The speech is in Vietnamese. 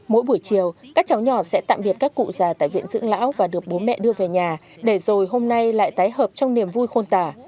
mỗi buổi chiều các cháu nhỏ sẽ tạm biệt các cụ già tại viện dưỡng lão và được bố mẹ đưa về nhà để rồi hôm nay lại tái hợp trong niềm vui khôn tả